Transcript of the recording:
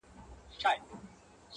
او ابۍ به دي له کوم رنځه کړیږي!!.